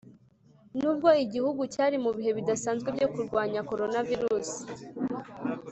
nubwo igihugu cyari mu bihe bidasanzwe byo kurwanya Coronavirus.